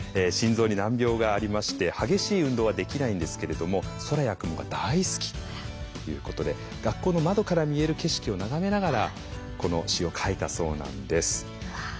心臓に難病がありまして激しい運動はできないんですけれども空や雲が大好きということで学校の窓から見える景色を眺めながらこの詩を書いたそうなんです。